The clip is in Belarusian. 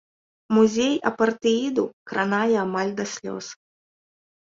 Музей апартэіду кранае амаль да слёз.